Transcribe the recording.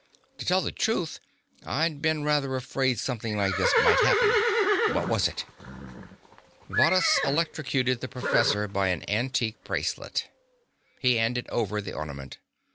To tell the truth, I'd been rather afraid something like this might happen. What was it?" "Varrhus electrocuted the professor by an antique bracelet." He handed over the ornament.